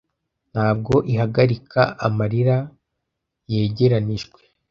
ntabwo ihagarika amarira yegeranijwe